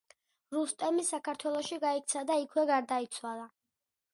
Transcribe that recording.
რუსტემი საქართველოში გაიქცა და იქვე გარდაიცვალა.